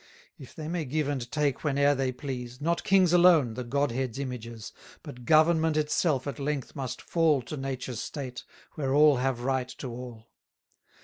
790 If they may give and take whene'er they please, Not kings alone, the Godhead's images, But government itself at length must fall To nature's state, where all have right to all.